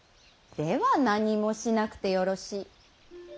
では何もしなくてよろしい。